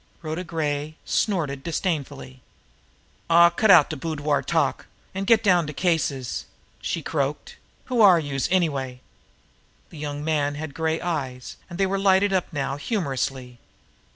Rhoda Gray snorted disdainfully. "Aw, cut out de boudoir talk, an' get down to cases!" she croaked. "Who are youse, anyway?" The young man had gray eyes and they lighted up now humorously.